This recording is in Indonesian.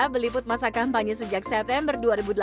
meliput masa kampanye sejak september dua ribu delapan belas